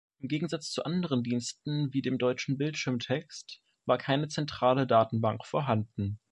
Im Gegensatz zu anderen Diensten wie dem deutschen Bildschirmtext war keine zentrale Datenbank vorhanden.